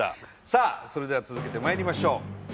さあそれでは続けてまいりましょう！